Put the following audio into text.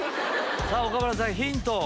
さぁ岡村さんヒントを。